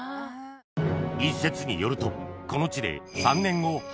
一説によるとこの地で三年子花